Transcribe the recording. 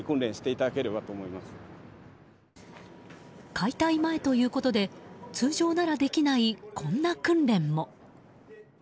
解体前ということで通常ならできない、こんな訓練も。